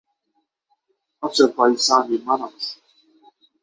Azerbaijani manat